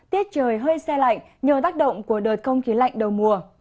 tiết trời hơi xe lạnh nhờ tác động của đợt không khí lạnh đầu mùa